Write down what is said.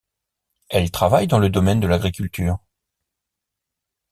Elle travaille dans le domaine de l'agriculture.